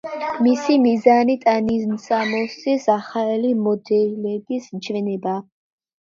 მისი მიზანია ტანისამოსის ახალი მოდელების ჩვენება.